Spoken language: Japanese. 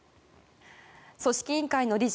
組織委員会の理事